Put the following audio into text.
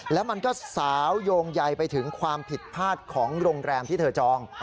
แล้วมันก็สาวโยงใยไปถึงความผิดพลาดของโรงแรมที่เธอจอง